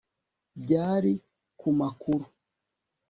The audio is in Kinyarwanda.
Byari ku makuru